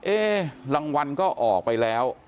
รางวัลก็ออกไปแล้ว